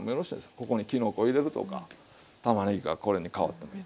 ここにきのこ入れるとかたまねぎがこれにかわってもいい。